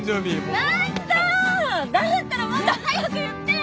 だったらもっと早く言ってよ！